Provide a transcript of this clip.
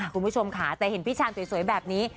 คุณผู้ชมค่ะแต่เห็นพี่ชามสวยแบบนี้